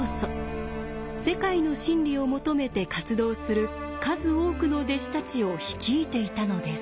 世界の真理を求めて活動する数多くの弟子たちを率いていたのです。